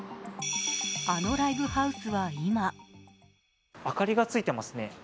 あのライブハウスは今明かりがついていますね。